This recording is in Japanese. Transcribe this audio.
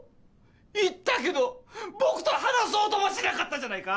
言ったけど僕と話そうともしなかったじゃないか。